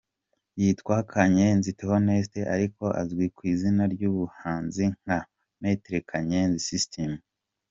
Yitwa Kanyenzi Theoneste ariko azwi ku izina ry’ubuhanzi nka Maitre Kanyenzi System.